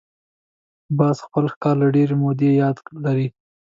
باز خپل ښکار له ډېرې مودې یاد لري